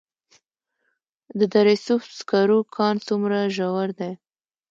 د دره صوف سکرو کان څومره ژور دی؟